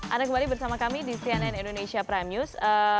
anda kembali bersama kami di cnn indonesia prime news